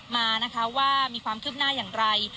มานะคะว่ามีความคืบหน้าอย่างไร